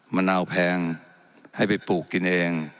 มะนาวแพงให้ไปปลูกกินเอง